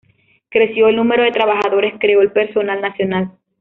Creció el número de trabajadores, creó el personal nacional.